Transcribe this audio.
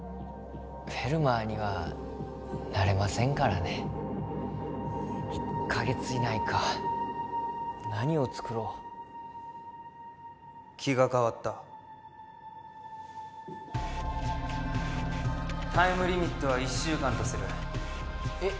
フェルマーにはなれませんからね１カ月以内か何を作ろう気が変わったタイムリミットは１週間とするえっ？